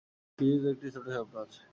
কিজির তো একটি ছোট স্বপ্ন আছে।